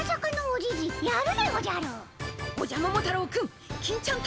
おじゃっ！